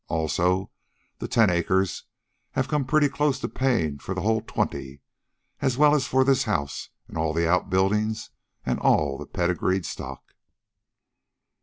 Also, the ten acres have come pretty close to paying for the whole twenty, as well as for this house, and all the outbuildings, and all the pedigreed stock."